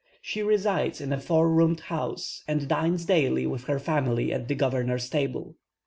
She resides in a four roomed house, and dines daily, with her family, at the governor's table.